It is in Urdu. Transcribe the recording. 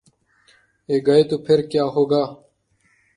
یہ گئے تو پھر کیا ہو گا؟